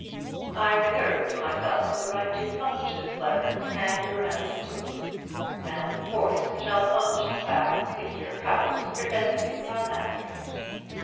I reserve to myself the right to publish this letter and your answer to it; and of course shall publish the fact if your cowardice prevents you from answering it.